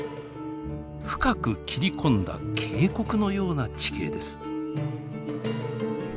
深く切り込んだ渓谷のような地形です。